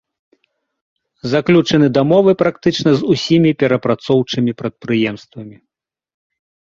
Заключаны дамовы практычна з усімі перапрацоўчымі прадпрыемствамі.